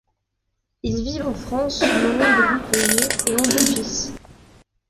Ils vivent en France, non loin de Montpellier, et ont deux fils.